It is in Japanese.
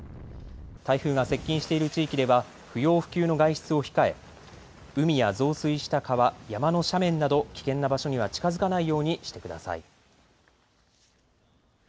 台風が接近している地域では不要不急の外出を控え海や増水した川、山の斜面など危険な場所には近づかないようにしてください。